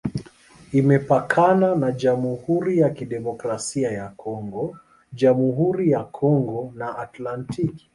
Imepakana na Jamhuri ya Kidemokrasia ya Kongo, Jamhuri ya Kongo na Atlantiki.